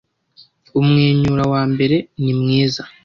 umwenyura wa mbere ni mwiza